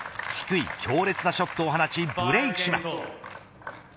低い強烈なショットを放ちブレークします。